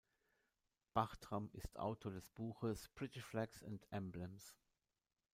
Bartram ist Autor des Buchs „British Flags and Emblems“.